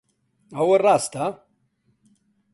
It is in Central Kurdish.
ئەوە ڕاستە؟